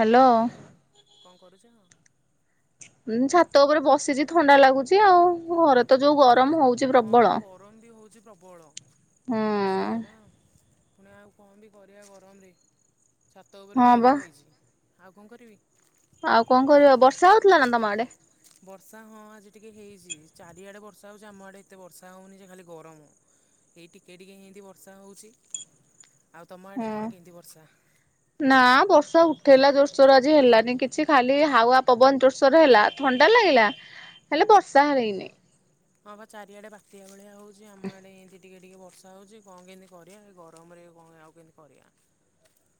Hello. Hello କଣ କରୁଛ? ମୁଁ ଛାତ ଉପରେ ବସିଛି ଥଣ୍ଡା ଲାଗୁଛି ଆଉ, ଘରେ ତ ଯୋଉ ଗ ଗରମ ହଉଛି ହଁ ବା ପ୍ରବଳ। ଗରମ ବି ହେଉଛି ପ୍ରବଳ। ହୁଁ ସେଇଆ ବା। ପୁଣି ଆଉ କଣ ବି କରିବା ଗରମରେ? ଛାତ ଉପରେ ହଁ ମୁଁ ବି ବା ବଇଚି। ଆଉ କଣ କରିବି? ଆଉ କଣ କରିବା ବର୍ଷା ହଉଥିଲା ନା ତମ ଆଡେ? ବର୍ଷା, ହଁ ଆଜି ଟିକିଏ ହେଇଛି, ଚାରିଆଡ଼େ ବର୍ଷା ହଉଛି, ଆମ ଆଡ଼େ ଏତେ ବର୍ଷା ହେଉନି ଯେ ଖାଲି ଗରମ, ଏଇ ଟିକିଏ ଟିକିଏ ହିନ୍ତି ବର୍ଷା ହଉଛି। ହୁଁ, ନା ବର୍ଷା ଉଠ ହେଲା ଜୋରସୋର ଆଜି ହେଲାନି କିଛି, ଖାଲି ହାୱା ପବନ ଜୋରସୋର ହେଲା, ଥଣ୍ଡା ଲାଗିଲା ହେଲେ ବର୍ଷା ହେଇନି। ହଁ ହ ଚାରିଆଡେ ବାତିିଆ ଭଳିଆ ହଉଚି। ଆମ ଆଡ଼େ ଏମିତି ଟିକେ ଟିକେ ବର୍ଷା ହଉଛି, କଣ କିମିତି କରିବା ଗରମରେ କଣ ଆଉ କେମିତି କରିବା?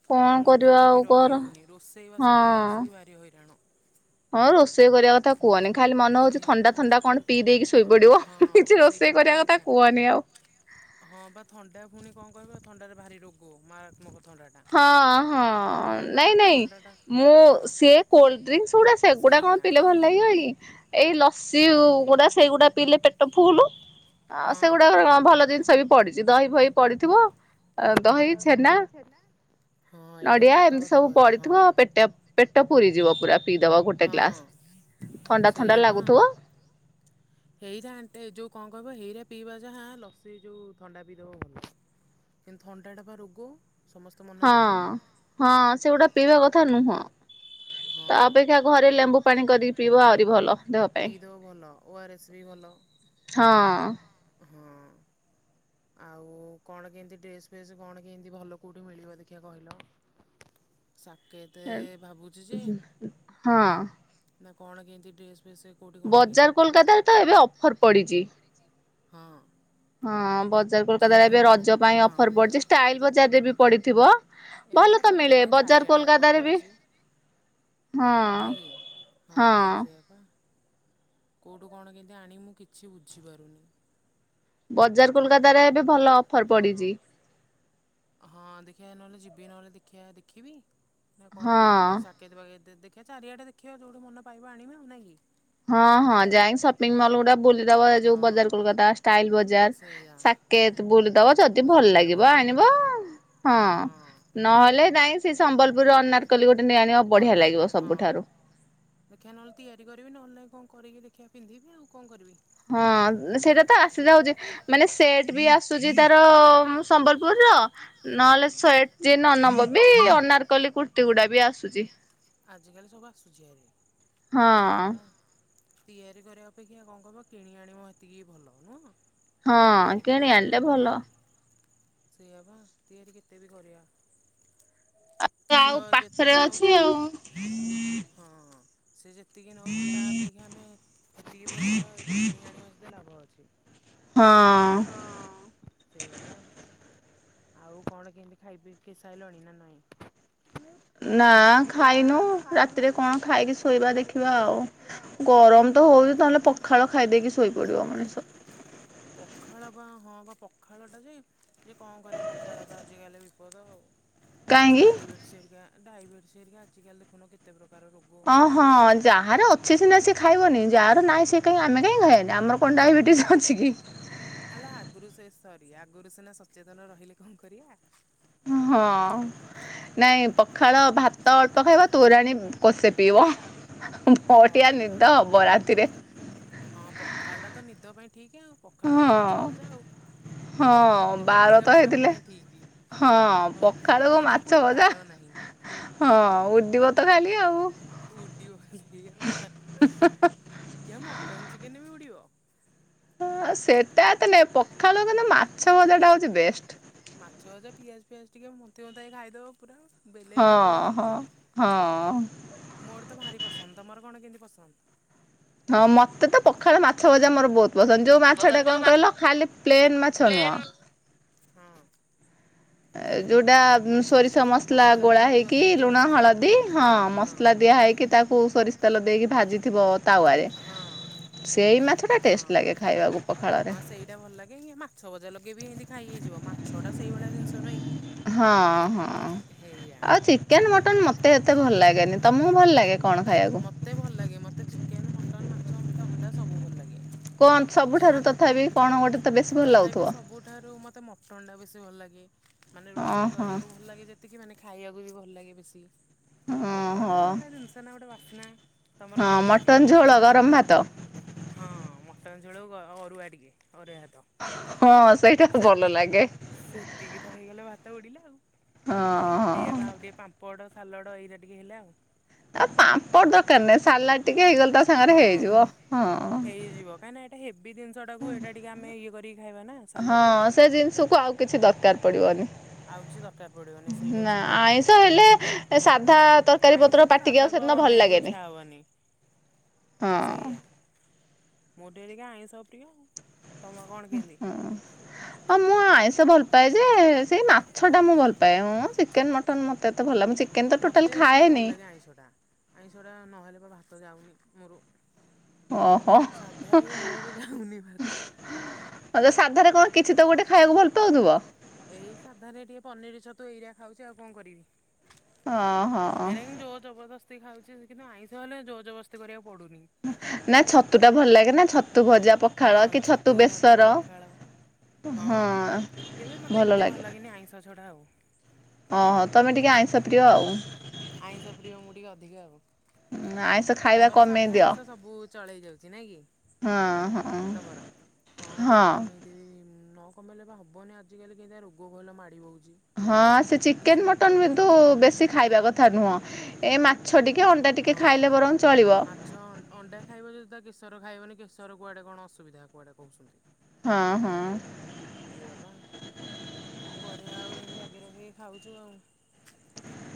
କଣ ଗରମକୁ କରିବା ଘରେ ଆଉ ବି କର ରହି ହଉନି, ରୋଷେଇ ହଁ। ବାସ କଲା ଆସିକି ଭାରି ହଇରାଣ। ହଁ, ରୋଷେଇ କରିବା କଥା କୁହନି। ଖାଲି ମନେ ହଉଛି ସେଇଆ ବା ଥଣ୍ଡା ଥଣ୍ଡା କଣ ପିଇ ଦେଇକି ଥ ଶୋଇପଡିବ, ହଁ କିଛି ସେଇଟା ରୋଷେଇ ମୋର କରିବା ବି କଥା ଇଚ୍ଛା କୁହନି ଆଉ। ହଁ ବା ଥଣ୍ଡା ପୁଣି କଣ କହିବ ଥଣ୍ଡାରେ ଭାରି ରୋଗ ମାରତ୍ମକ। ହଁ, ହଁ, ନାଇଁ ନାଇଁ ଥଣ୍ଡାଟା ମୁଁ ହଁ ସିଏ କୋଲଡ୍ରିଙ୍କସ ଗୁଡା ସେଗୁଡା କଣ ସେଇଆ ପିଇଲେ ଭଲ ଲାଗିବ କି? ଏଇ ଲ- ସି ଗୁଡା ସେଇଗୁଡା ପିଇଲେ ପେଟ ଫୁଲୁ। ଆଉ ହଁ ସେଗୁଡାକ କ ଭଲ ଜିନିଷ କି ପଡିଛି, ଦହି ବହି ପଡିଥିବ ଦହି ଛେନା। ହଁ ଏଇଟା ବି ନଡିଆ, ସତ ଏମିତି କଥା ସବୁ କହିଲ ହଁ ପଡିଥିବ ପେଟେ ପେଟ। ପେଟ ପୁରୀ ଯିବ ପୁରା। ପିଇ ଦବ ଗୋଟେ ହଁ ଗ୍ଲାସ ଥଣ୍ଡା ଥଣ୍ଡା ସେଇଆ ବା ଲାଗୁଥିବ। ହେଇରା ଏଣ୍ଟେ ଯୋଉ କଣ କହିବ ହେଇରା ପିଇବା ଯାହା ଲସି ଯୋଉ ଥଣ୍ଡା ପିଇଦବ ଭଲ। କିନ୍ତୁ ଥଣ୍ଡା ଟା ବା ରୋଗ। ସମସ୍ତେ ମନା ହଁ କରୁଛନ୍ତି ହଁ ସେଗୁଡା ପିଇବା କଥା ନୁହଁ। ହଁ ତା ଅପେକ୍ଷା ଘରେ ଲେମ୍ବୁ ପାଣି କରିକି ପିଇବ, ଆହୁରି ଭଲ ଦେହ ପାଇଁ। ପିଇଦବ ଭଲ ଓ ଆର୍ ଏସ୍ ବି ଭଲ ହଁ। ହଁ ଆଉ କଣ କେମିତି ଡ୍ରେସ୍ ଫେସ୍ କଣ କେମିତି ଭଲ କେଉଁଠି ମିଳିବ ଦେଖିବା କହିଲ? ସାକେତେ ଭାବୁ ହଁ ନା କଣ କେମିତି ଡ୍ରେସ୍? ଫ୍ରେସ୍ କେଉଁଠି କଣ କେମିତି ବଜାର କୋଲକତାରେ ତ ଏବେ ଅଫର ପଡିଚି। ହଁ। ହଁ। ବଜାର ଯେ କୋଲକାତାରେ ଏବେ ରଜ ପାଇଁ ହଁ ଅଫର ପଡିଚି, ଷ୍ଟାଇଲ ବଜାରରେ ବି ପଡିଥିବ। ଏବେ ଭଲ ବା ତ ରଜ ମିଳେ ପାଇଁ ବଜାର ଚାରିଆଡେ ଅଫର୍ କୋଲକାତାରେ ବି ପଡିଛି। ହଁ ନାଇଁ କି, ହଁ ସେଇଆ ବା। କୋଉଠୁ କଣ କେମତି ଆଣିବି ମୁଁ କିଛି ବୁଝିପାରୁନି। ବଜାର କୋଲକତାରେ ଏବେ ଭଲ ଅଫର୍ ହଁ ହଁ ପଡିଚି। ହଁ ଦେଖିଆ ନହେଲେ ଯିବି ନହେଲେ ଦେଖିଆ ଦେଖିବି। ନା କଣ ହଁ। କେମିତି ସାକେଦ ଫାକେଦ ଦେ ଆଗେ ଚାରିଆଡ଼େ ଦେଖିବା ଯୋଉଠୁ ମନ ପାଇବ ଆଣିବି ଆଉ ନାଇଁ କି? ହଁ ହଁ ଯାଇଁକ ସପିଙ୍ଗ ମଲ୍ ଗୁଡା ବୁଲ ଦବ ଯୋଉ ହଁ ବଜାର କୋଲକାତା ଷ୍ଟାଇଲ ବଜାର ସେଇଆ ସାକେତ ବୁଲିଦବ, ଯଦି ଭଲ ସବୁଆଡ଼େ ଲାଗିବ ବୁଲି ବୁଲା ଆଣିବ ଦେବେ ହଁ ନହେଲେ ନାଇ ସେ ସମ୍ବଲପୁରର ଅନାରକଲି ଗୋ ଅନାରକଲି ହଁ, ଦେଖିଆ ନହେଲେ ତିଆରି କରିବି ନହେଲେ ନାହିଁ କଣ କରିକି ଦେଖିଆ ପିନ୍ଧିବି ଆଉ କଣ କରିବି? ହଁ ସେଇଟା ତ ଆସି ଯାଉଚି ମାନେ ସେଟ ବି ଆ ଆସୁଚି ତାର ହଁ। ସମ୍ବଲପୁରର। ନହେଲେ ସେଟ ଯଦି ନ ନବ ବି ଅନାରକଲି କୁର୍ତ୍ତିୀ ଗୁଡା ବି ଆସୁଚି। ଆଜିକାଲି ସବୁ ଆସୁଛି ଭାରି ହଁ ସେଇଆ ବା। ତିଆରି କରିବା ଅପେକ୍ଷା କଁ କରିବ, କିଣି ଆଣିବ ହେତିକି ଭଲ ନୁହଁ? ହଁ ତିଆରି କେତେ କିଣି ତମେ ଆଣିଲେ କରିବ ଭଲ। ସେଇଆ ବା ତିଆରି କେତେ ବି କରିବା। ଆଉ ସିଏ ପାଖରେ ଯେତିକି ଅଛି ନଉଛି ଆଉ। ହଁ। ସେ ଯେ ତିକି ନଉଚି ତା ଅପେକ୍ଷା ଆମେ ଏତିକି ପଇସାର ଏଇଠୁ କିଣି ଆଣିବା ଯଦି ଲାଭ ଅଛି। ହଁ ହଁ ସେଇଆ ବା। ଆଉ କଣ କେମିତି ଖାଇ ପିଇକି ସାଇଲଣି ନା ନାଇଁ? ନା ଖାଇନୁ ରାତିରେ କଣ ଖାଇକି ଶୋଇବା ଦେଖିବା ଆଉ, ଗରମ ତ ହଉଚି ନହେଲେ ପଖାଳ ଖାଇ ଦେଇକି ଶୋଇପଡିବ ମଣିଷ। ପଖାଳ ବା ହଁ ବା ପଖାଳଟା ଯେ ଯେ କଁ କରିବା ପଖାଳ ତ ଆଜିକାଲି ବିପଦ ଆଉ। କାହିଁକି? ଡାଇବେଟିସ ହେରିକା। ଡାଇବେଟିସ ହେରିକା ଆଜି କାଲି ଦେଖୁନ କେତେ ପ୍ର ଓ ହଁ ଯାହାର ଅଛି ସିନା ସେ ଖାଇବନି ଯାହାର ନାଇଁ ସେ କାଇଁ ଆମେ କାଇଁ ଖାଇଆନି ଆମର କଣ ଡାଇବେଟିସ୍ ଅଛି କି? ଆଲୋ ଆଗରୁ ସେ ସରି ଆଗରୁ ସିନା ସଚେତନ ରହିଲେ କଁ କରିଆ। ହଁ ନାଇଁ ପଖାଳ ଭାତ ଅଳ୍ପ ଖାଇବ, ତୋରାଣୀ କଂସେ ପିଇବ। ବଢିଆ ଓହୋ ନିଦ ହବ ରାତିରେ। ଖାଳଟା ତ ନିଦ ପାଇଁ ଠିକ୍ ଆଉ ପଖାଳକୁ ମାଛ ହଁ ଭଜା ଆଉ। ହଁ ସେଟା ବାର ତ ପୁରାପୁରି ଆମ ହେଇଥିଲେ ପାଇଁ ଠିକ ହଁ ହଁ ପଖାଳକୁ ଆଜି ପୁଣି ମାଛ ଭଜା ବାର ନାହିଁ। ହଁ ଉଡିବ ତ ଖାଲି। ଆଉ। ଉଡିବ ଖାଲି ଇଏ ବା, କି ମଟନ ଚିକେନ ବି ଉଡିବ। ହଁ ସେଟା ଏତେ ନାଇ ପଖାଳକୁ କିନ୍ତୁ ମାଛ ଭଜାଟା ହଉଚି ବେଷ୍ଟ୍। ମାଛ ଭଜା ପିଆଜ ଫିଆଜ ଟିକେ ମୁନ୍ତି ମୁନ୍ଥାଇକି ଖାଇଦବ ପୁରା। ବେଲେଏ ଭାତ ହଁ ଉଡିବ ହଁ ଆଉ, ହଁ। ମୋର ତ ଭାରି ପସନ୍ଦ ତମର କଣ କେମିତି? ପସନ୍ଦ। ହଁ ମତେ ତ ପଖାଳ ମାଛ ଭଜା ମୋର ବହୁତ ପସନ୍ଦ, ଯୋଉ ମାଛଟା କଁ କହିଲ ଖାଲି ପ୍ଲେନ୍ ମାଛ ନୁହଁ ହଁ। ଏ ଯୋଉଟା ସୋରିଷ ମାଛ ମସଲା ଗୋଳା ଦିଆ ହେଇକି ଭଜା ହେଇଥିବ ତ ଲୁଣ ହଁ ହଳଦୀ ହଁ ମସଲା ଦିଆ ହେଇକି ତାକୁ ସୋରିଷ ତାେଲ ଦେଇକି ଭାଜି ଥିବ। ମାଛଟା ଟେଷ୍ଟ ଲାଗେ ଖାଇବାକୁ ପଖାଳରେ ହଁ-ହଁ-ହଁ-ହଁ ସେଇଟା ଭଲ ଲାଗେ ଇଏ ମାଛ ଭଜା ଲଗେଇ ବି ଏନ୍ତି ଖାଇ ହେଇଯିବ, ମାଛଟା ସେଇଭଳିଆ ଜିନଷ ନୁହେଁ କି? ହଁ ହଁ ହେଇଆ ଆଉ ଚିକେନ୍ ମଟନ୍ ମତେ ଏତେ ଭଲ ଲା ଗେନି, ତମକୁ ଭଲ ଲାଗେ କଣ ଖାଇବାକୁ ମତେ ଭଲ ଲାଗେ, ମତେ ଚି କେନ, ମଟନ, ମାଛ, ଅଣ୍ଡା ମତେ ସବୁ ଭଲ ଲାଗେ। କଣ ଯାହା ସବୁଠାରୁ କ- ତଥାପି କଣ ଗୋଟେ ତ ବେଶୀ ଭଲ ଲାଗୁଥିବ? ଟନ୍ ଟା ବେଶୀ ଭଲ ଲାଗେ। ମାନେ ରୋଷେଇ ଓହୋ କରିଆକୁ ଭଲ ଲାଗେ ଯେ ତିକି ମାନେ ଖାଇଆକୁ ବି ଭଲ ଲାଗେ ବେଶୀ। ମୋଟନ ଟା ଓହୋ ସେହିଭଳିଆ ଜିନିଷ ନା ଗୋଟେ ବା ନା ତମର ହଁ କଁ କେମତି ମଟନ ଝୋଳ ମଟନଟା ନା ଗରମ ନାଇଁ? ଭାତ ହଁ ମଟନ ଝୋଳକୁ ଅ-ଅରୁଆ ଟିକେ। ଅରୁଆ ଭାତ, ହଁ ସେଇଟା ଭଲ ସେତିକି ଲାଗେ ସେତିକି ତ ହେଇଗଲେ ଭାତ ଉଡ଼ିଲା ଆଉ, ହଁ ହେଇଆ ହଁ ବା ଆଉ ଟିକେ ପାମ୍ପଡ଼ ସାଲାଡ ଏଇଟା ଟିକେ ହେଲେ ଆଉ। ଆ ପାମ୍ପଡ଼ ଦରକାର ନାଇଁ, ସାଲାଡ ଟିକେ ହେଇଗଲେ ତା ସାଙ୍ଗରେ ହଁ। ହେଇଯିବ ହଁ। ହେଇଯିବ କାହିଁକିନା ଏଇଟା ହେଭି ଜିନିଷଟାକୁ ଏଇଟା ଟିକେ ଆମେ ଇଏ କରିକି ଖାଇବା ନା ସାଲଡ଼ଟା। ହଁ ସେ ଜିନିଷକୁ ଆଉ କିଛି ଦରକାର ପଡିବନି। ଆଉ କିଛି ଦରକାର ପଡିବନି ସେଇଟା ବି ସତ କହିଲ ଆଇଁଷ ହେଲେ ହଁ ବା ସାଧା ତରକାରୀ ପତ୍ର ଆଇଁଷ ନା ପାଟିକି ସାଧାକୁ ସେଦିନ ଆଉ ଭଲ ଅନେଇଆକୁ ଲାଗେନି। ଇଚ୍ଛା ହବନି ହଁ ସେଇଆ। ମୁଁ ଟିକେ ଆଇଁଷ ପ୍ରିୟ। ତମ କଣ କେମିତି? ହଁ ମୁଁ ଆଇଁଷ ଭଲ ପାଏ ଯେ ସେଇ ମା ଛଟା ମୁଁ ଭଲପାଏ ଉଁ। ଚିକେନ ମଟନ ମୋତେ ଏତେ ଭଲ ଲାଗୁନି ଚି ମୋତେ କିନ୍ତୁ ଭଲ ଲାଗେ ଆଇଁଷଟା, ଆଇଁଷଟା ନହେଲେ ମୋ ଭା ତ ଯାଉନି ମୋର। ଓହୋ ଆଉ ସାଧାରେ ମୂଳରୁ ଯାଉନି ଭାତ। ଯୋଉ ସାଧାରେ କଣ କିଛି ତ ଗୋଟେ ଖାଇଆକୁ ଭଲ ପାଉଥିବ। ଏଇ ସାଧାରେ ଟିକେ ପନିର, ଛତୁ ଏଇଆ ଖାଉଚି ଆଉ କଣ କରିବି। ଓହୋ ହେରା କିନ୍ତୁ ଜୋର ଜବରଦସ୍ତ ସିଏ ଖାଉଚି ସେ କିନ୍ତୁ ଆଇଁଷ ହେଲେ ଜୋର ଜବରଦସ୍ତି କରିବା ନା ଛତୁଟା ଭଲ ଲାଗେ ନା ଛତୁ ଭଜା ପ ହଁ ଛତୁ ଭଜାକୁ ପଖାଳ ହଁ, କିନ୍ତୁ ମୋତେ ଏତେ ଭଲ ଲାଗେନି ଆଇଁଷ ଛଡ଼ା। ଆଉ ଓହୋ ତମେ ଟିକେ ଆଇଁଷ ପ୍ରିୟ ଆଉ। ଆଇଁଷ ପ୍ରିୟ ମୁଁ ଟିକେ ଅଧିକ ଆଉ। ଆଇଁଷ ଖାଇବା ତମର କମେଇ ସାଧା, ଦିଅ ଆଇଁଷ ସବୁ ଚଳେଇ ଯାଉଚି ନାଁ କି ହଁ ହଁ ତମର ହଁ ଟିକେ କମେଇଦେବି। ମୁଁ ନ କମେଇଲେ ପା ହବନି ଆଜିକାଲି କେତେ ରୋଗ କ‌ହିଲ ମାଡି ବଉ ହଁ ସେ ଚିକେନ ମର୍ଟନ ବିନ୍ତୁ ବି ବେଶୀ ଖାଇବା କ ଥା ନୁହଁ ଏ ମାଛ ଟିକେ ଅଣ୍ଡା ଟିକେ ଖାଇଲେ ହଁ। ବରଂ ଚଳିବ। ଶର ଖାଇବନି କେଶର କୁଆଡେ କଣ ଅସୁବିଧା କୁଆଡେ କୋହୁଚନ୍ତି। ହଁ ହଁ। ଏଇଆ ପା କଣ କରିବା ଆଉ ଏଇନୁ ଜଗି ରଖିକି ଖାଉଚୁ ଆଉ।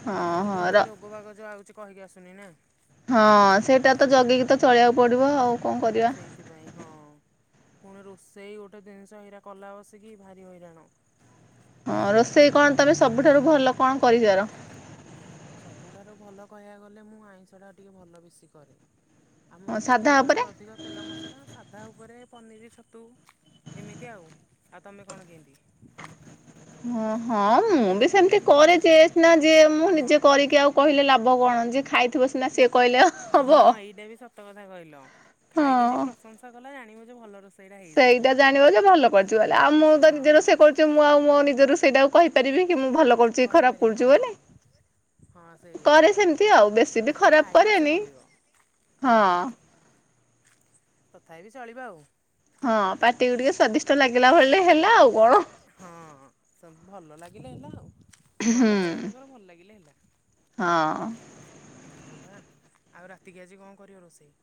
ହଁ ଆଜି ହଁ ତ ର ଏମତି ରୋଗ ବାଗ ଯୋଉ ଆଉଚି କହିକି ଆସୁନି ନା। ହଁ ସେଇଟା ତ ଜଗିକି ତ ଚଳିବାକୁ ପଡିବ ଆଉ। କଣ କରିବା ସେଇଥି ପାଇଁ ହଁ। ପୁଣି ରୋଷେଇ ଗୋଟେ ଜିନିଷ ହେଇରା କଲା ବସିକି ଭାରି ହଇରାଣ। ହଁ ରୋଷେଇ କଣ ତମେ ସବୁଠାରୁ ଭଲ କଣ କରିଯାର? ସବୁଠାରୁ ଭଲ କହିବାକୁ ଗଲେ ମୁଁ ଆଇଁଷଟା ଟିକେ ଭଲ ବେଶୀ କରେ। ଆଉ ମୋର ତ ସାଧା ତେଲ ଉପରେ ଟିକେ ଅଧିକ ତେଲ ମସଲା ସାଧା ଉପରେ ପନିର ଛତୁ ଏମିତି ଆଉ ଆଉ ତମେ କଣ କେନ୍ତି? ହଁ ହଁ ମୁଁ ବି ସେମତି କରେ ଯେ ସିନା ଯେ ମୁଁ ନିଜେ ହଁ। କରିକି ଆଉ କହିଲେ ଲାଭ କଣ ଯିଏ ଖାଇଥିବ ସେ ନା ସିଏ କହିଲେ ହବ ହଁ ଏଇଟା ବି ସତ କଥା କହିଲ ଖାଇକି ଯେ ହଁ। ପ୍ରଶଂସା କଲା ଜାଣିବ ଭଲ ରୋସ ସେଇଟା ଜାଣିବ ଯେ ଭଲ କରଚୁ ବଲେ ଆଉ ମୁଁ ତ ନିଜ ହଁ ରୁସେଇ କରଚୁ ମୁଁ ଆଉ ମୋ ନିଜ ରୁସେଇଟାକୁ କହିପାରିବି କି ମୁଁ ଭଲ କରୁଚି ଖରାପ କହିପାରେ କରୁଚି ହଁ ବୋଲି ହଁ ସେଇଆ। କରେ ସେମିତି ଆଉ ବେଶୀ ବି ଯିଏ ଖରାପ ଖାଇବ ସେ କରେନି କହିବ ହଁ। ଚଳିବ ଆଉ। ହଁ ପାଟିକୁ ଟିକେ ସ୍ଵାଦିଷ୍ଟ ଲାଗିଲା ଭଲି ହଁ ସବୁ ଭଲ ଲାଗ- ଲାଗିଲେ ହେଲା ଆଉ। ହୁଁ ଭଲ କର କି ନ କର ଭଲ ଲାଗିଲା ହେଲା। ହଁ। ହଁ ପା ଆଉ ରାତିକି ଆଜି କଣ କରିବ ରୋଷେଇ?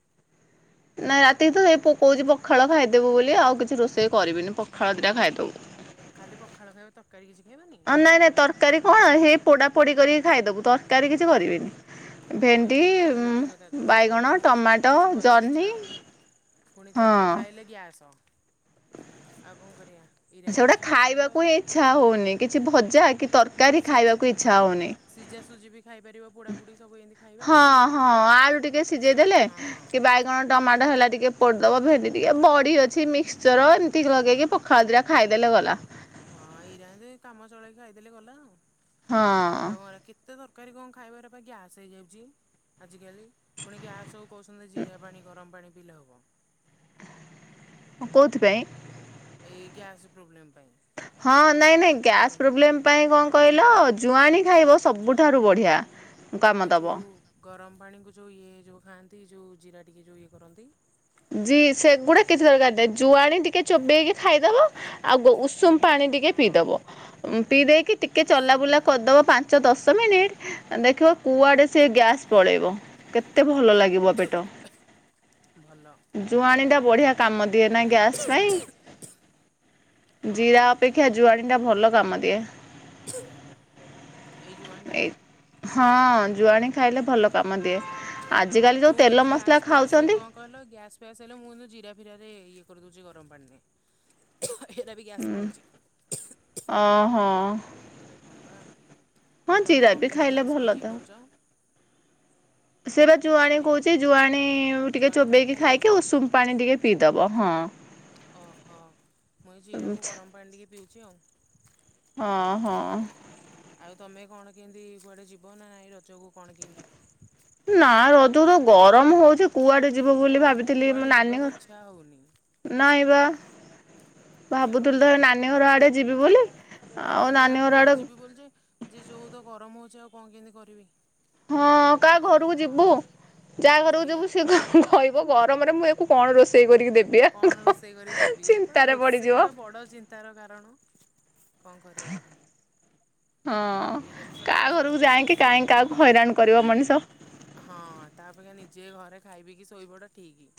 ନାଇଁ ରାତିକି ତ ସେଇ ପୁଅ କହୁଚି ପଖାଳ ଖାଇଦେବୁ ବୋଲି ଆଉ କିଛି ରୋଷେଇ କରିବିନି ପଖାଳ ଦିଟା ଖାଇଦବୁ। ଖାଲି ପଖାଳ ଖାଇବ ତରକାରୀ କିଛି ଖାଇବନି ନାଇଁ ନାଇଁ ତରକାରୀ ନା କଣ ହେଇ କେମିତି? ପୋଡା ପୋଡି କରିକି ଖାଇଦବୁ ତରକାରୀ କିଛି କରିବିନି। ହଁ ଭେଣ୍ଡି ଏଇଟା ବି କହିଲ ଠିକ୍ କଥା ଯଉ ବାଇଗଣ ଗରମ ହଉଚି ଟମାଟୋ କିଛି କରିବାକୁ ଜହ୍ନି ଇଚ୍ଛା ହେଉନି ପୁଣି ଯାହା ଖାଇଲେ ଗ୍ୟାସ ଆଉ କଣ କରିବା ଏଇରା ଏମିତି ସେଗୁଡା ଚ ଚଳେଇବା ଖାଇବାକୁ ଆଉ ହିଁ ଇଛା ହଉନି କିଛି ଭଜା କି ତରକାରୀ ଖାଇବାକୁ ଇଚ୍ଛା ହଉନି। ଖାଇ ପାରିବ ପୋଡ଼ା ପୁଡ଼ି। ହଁ ହଁ ଆଳୁ ଟିକେ ସିଯ ଜେଇ ଦେଲେ ହଁ କି ବାଇଗଣ ଟମାଟୋ ହେଲା ଟିକେ ପଡ଼ଦବ ଭେଣ୍ଡି ଟିକେ ବଢି ଅଛି ମିକ୍ସଚର ଏମିତି ଲଗେଇକି ପଖାଳ ଦିଟା ଖାଇଦେଲେ ଗଲା। ହଁ ଇରାଏନ୍ତି କାମ ଚଳେଇକି ଖାଇଦେଲେ ଗଲା ଆଉ। ଆଉ ହଁ ଏରା କେତେ ତର ତରକାରୀ କଣ ଖାଇବ ଏରା ପା ଗ୍ୟାସ ହେଇଯାଉଚି ଆ ଆଜିକାଲି ପୁଣିି ଗ୍ୟାସ କହୁଛନ୍ତି ଜିରା ପାଣି ଗରମ ପାଣି ପିଲେ ହବ। ହଁ କୋଉଥିପାଇଁ? ଏଇ ଗ୍ୟାସ୍ ପ୍ରୋବ୍ଲେମ୍। ପାଇଁ ହଁ ନାଇଁ ନାଇଁ ଗରମ ଗ୍ୟାସ ପ୍ରୋବ୍ଲେମ ପାଇଁ କଣ ହଁ କହିଲ ଜୁଆଣି ଖାଇବ ଜୁଆ ସବୁଠାରୁ ବଢିଆ କାମ ଆଉ ଯୋଉ ଦବ। ଗରମ ପାଣିକୁ ଯୋଉ ଇଏ ଯୋଉ ଖାଆନ୍ତି ଯୋଉ ଜିରା ଟିକେ ଯୋଉ ଇଏ କରନ୍ତି। ଜି ସେଗୁଡ଼ା କିଛି ଦରକାର ନାହିଁ ଜୁଆଣି ଟିକେ ଚୋବେଇକି ଖାଇଦବ ଆଉ ଉଷୁମ ପାଣି ଟିକେ ହଁ ପିଇଦବ। ପିଇ ଦେଇକି ଟିକେ ଉଷୁମ ଚଲାବୁଲା ପାଣିଟା କରିଦେବ ପାଞ୍ଚ ଦଶ ମିନିଟ୍, ଦେଖିବ ହଁ କୁଆଡ଼େ ସେ ଗ୍ୟାସ୍ ପଳେଇବ। କେତେ ଭଲ ଲାଗିବ ପେଟ। ଭଲ ଜୁଆଣିଟା ବଢିଆ କାମ ଦିଏ ନା ଗ୍ୟାସ ପାଇଁ। ଜିରା ହଁ ଅପେକ୍ଷା ଯୁଆଣି ଏଇଟା ଭଲ କାମ ଦିଏ। ଏଇ ଜୁଆଣି ଟା ଏଇ ହଁ, ଜୁଆଣି ଖାଇଲେ ଭଲ କାମ ଦିଏ। ଆଜିକାଲି ଯୋଉ ମୁଁ ତେଲ କିନ୍ତୁ ମସଲା ଗ୍ୟାସ ଫ୍ୟାସ ଖାଉଛନ୍ତି କଣ କହିଲ ଗ୍ୟାସ ଫ୍ୟାସ ଲ ମୁଁ କିନ୍ତୁ ଜିରା ଫିରା ଇଏ କରିଦଉଚି ଗରମ ପାଣିରେ। ଏରା ବି ଗ୍ୟାସ୍ ହୁଁ, ପଳଉଛି ଆଁହଁ ଅ ବା ଆଉ ତମେ କଣ ବି କେମିତି ଖାଇଲେ ଗ୍ୟାସ୍ ଭଲ ପାଇଁ ତ। ଇଏ କରୁଛ? ସେ ବା ଗ୍ୟାସ୍ ଜୁଆଣୀ ପାଇଁ କହୁଛି। ଜୁଆଣୀ ଟିକେ ଜୁଆଣି ତମେ ଚୋବେଇକି ଖାଇଦଉଛ? ଖାଇକି ଉଷୁମ ପାଣି ଟିକେ ପିଇଦବ। ହଁ ଓହୋ। ଚି ଆଉ ହଁ ହଁ। ଆଉ ତମେ କଣ କେମିତି କୁଆଡେ ଯିବ ନା ନାଇଁ ରଜକୁ? କଣ କେନ୍ତି ଯୋଉ ତ ଗରମ ହଉଚି କୁଆଡେ ଯିବ ବୋଲି ଗରମକୁ ଭାବିଥିଲି କୁଆଡ଼େ ମୋ ନାନୀ ଯିବାକୁ ଇଚ୍ଛା ହଉନି ନାଇ ବା। ହେଇଆ ବା। ଭାବୁଥିଲି ତ ନାନୀ ଘର ଆଡେ ଯିବି ବୋଲି ଆଉ ମୁଁ ବି ନାନୀ ଘର ଭାବୁଥିଲି ଆଡେ ଯିବି ବୋଲି ଯେ। ଯେ ଯୋଉଦ ଗରମ ହଉଛି ଆଉ କଣ କେମିତି କରିବି? ହଁ କାହା ସେଇଟା ବି ଘରକୁ ଯିବୁ ହଁ। ଯାହା ଘରକୁ ହେଇଆ ଯିବୁ ସିଏ କହିବ ଗରମରେ ମୁଁ ଆକୁ କଣ ରୋଷେଇ କରି କଣ ରୋଷେଇ କରିକି ଦେବି ଇଏ କହିବେ ପଡିଯିବ ରୋଷେଇ ହଁ। ବା ବଡ ଚିନ୍ତାର କାରଣ। କଣ କରିବା ଆଉ ଏଇଟା ବି ସତ କାହା କଥା ଘରକୁ କହିଲ ଯାଇକି କାହିଁକି ରୋଷେଇଟା କାହାକୁ ହଇରାଣ କରିବ ମଣିଷ ହଁ ତା ଅପେକ୍ଷା ନି ଯେ ଘରେ ଖାଇ ପିଇକି ଶୋଇପଡ଼ ଠିକି।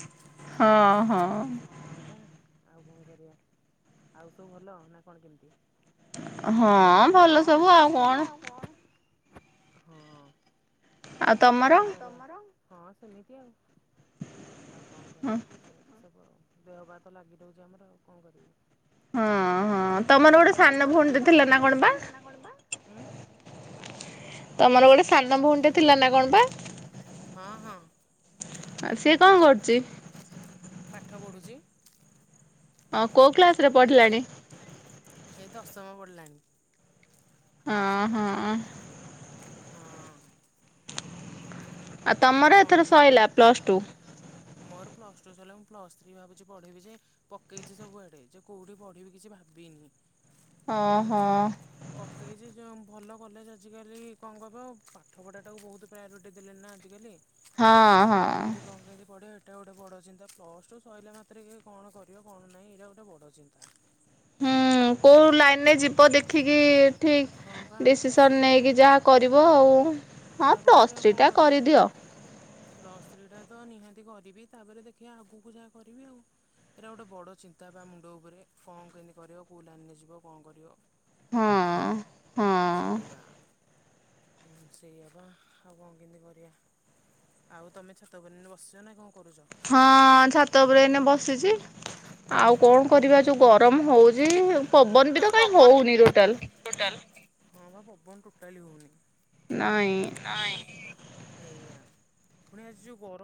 ହଁ। ହଁ। ଆଉ କଣ କରିବା ଆଉ ସବୁ ଭଲ ନା କଣ କେମିତି? ହଁ ଭଲ ସବୁ ଆଉ କଣ। ହଁ। ଆଉ କଣ କରିବା ହଁ ସେମିତି ଆଉ। ଆଉ କଣ କରିବା ସେନ୍ତି ସବୁ ଆଉ। ଦେହ ପା ତ ଲାଗି ରହୁଚି ଆମର ଆଉ କଣ କରିବି। ହଁ ତମର ହଁ ଗୋଟେ ଜର ସାନ ହଉଥିଲା ଭଉଣୀଟେ ଥିଲା ନା କଣ ବା? ଜେ ହୁଁ? ତମର ଗୋଟେ ସାନ ଭଉଣୀ ଟେ ଥିଲା ନା କଣ ପା? ହଁ ଆଉ ସିଏ କଣ କରୁଚି? ପାଠ ପଢୁଚି। ହଁ କୋଉ କ୍ଳାସ୍ ରେ ପଢିଲାଣି? ସେଇ ଦଶମ ପଢିଲାଣି। ହଁ ହଁ। ହଁ। ଆଉ ତମର କଣ ଏଥର କି ସଇଲା ପ୍ଲସ୍ ଟୁ। ମୋର ପ୍ଲସ ଟୁ ସଇଲା ମୁଁ ପ୍ଲସ୍ ଥ୍ରୀ ଭାବୁଚି ପଢ଼ିବି ଯେ ପକେଇଚି ସବୁଆଡେ ଯେ କୋଉଠି ପଢିବି କିଛି ଭାବିନି। ଓହୋ ଏନ୍ତିଆଉ ପକେଇଚି ଯେଉଁ ଭଲ କଲେଜ ଆଜିକାଲି କଣ କହିବ ପାଠପଢ଼ାଟାକୁ ବହୁତ ପ୍ରାୟୋରିଟି ଦେଲେ ନା। ଆଜି କାଲି ହଁ ହଁ। ଏଇଟା ଗୋଟେ ବଡ ଚିନ୍ତା ପ୍ଲସଟୁ ସରିଲା ମାତ୍ରେ କେ କଣ କରିବ କଣ ନାଇଁ ଏଇଟା ଗୋଟେ ବଡ ଚିନ୍ତା। ହୁଁ କୋଉ ଲାଇନ୍ ରେ ଯିବ ଦେଖିକି ହଁ ବା ଠିକ୍ ଡିସିସନ୍ ସେଇଆ ନେଇକି ଯାହା କରିବ ଆଉ ହଁ ଯାହା ପ୍ଲସ୍ କରିବି ଆଉ ଥ୍ରୀଟା କଣ କରିବି କରିଦିଅ। ପ୍ଲସ୍ ଥ୍ରୀଟା ତ ନିହାତି କରିବି ତାପରେ ଦେଖିବା ଆଗକୁ ଯାହା କରିବି ଆଉ ଏଇଟା ଗୋଟେ ବଡ଼ ଚିନ୍ତା ପା ମୁଣ୍ଡ ଉପରେ କଣ କେନ୍ତି କରିବ କୋଉ ଲାଇନ୍ ରେ ଯିବ କଣ କରିବ। ହଁ ନାଇଁ ହଁ କି। ସେଇଆ। ସେଇଆପା ଆଉ କଣ କେନ୍ତି କରିବା ଆଉ ତମେ ଛାତ ଉପରେ ଏଇନା ବସିଛ ନା କଣ କରୁଛ ହଁ ଛାତ ଉପରେ ଏଇନା ବସିଛି ଆଉ କଣ କରିବା ଯେଉଁ ଗରମ ହଉଛି ପବନ ବି ତ କାଇଁ ହଉନି ଟୋଟାଲ। ଟୋଟାଲ ହଉନି। ନାଇଁ ହେଇ୍ଆ ପୁଣି ଆଜି ଯୋଉ ଗରମ